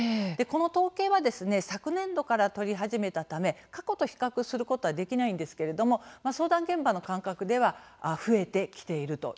この統計は昨年度から取り始めたため過去と比較することはできないんですけれども相談現場の感覚では増えてきているということなんです。